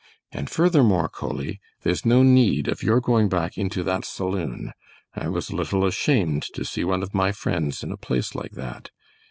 And furthermore, Coley, there's no need of your going back into that saloon. I was a little ashamed to see one of my friends in a place like that.